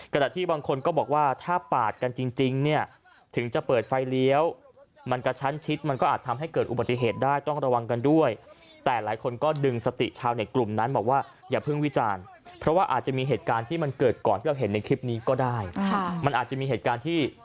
มีเหตุการณ์ที่มันเกิดก่อนที่เราเห็นในคลิปนี้ก็ได้ค่ะมันอาจจะมีเหตุการณ์ที่